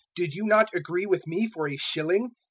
Did you not agree with me for a shilling?